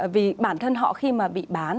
vì bản thân họ khi mà bị bán